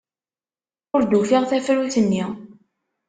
Ur d-ufiɣ tafrut-nni.